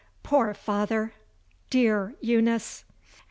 Poor father! Dear Eunice!